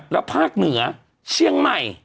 แล้วภาคเหนือเชียงใหม่